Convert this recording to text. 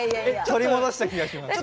取り戻した気がします。